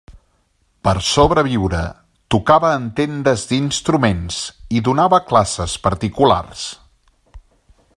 Per sobreviure tocava en tendes d'instruments i donava classes particulars.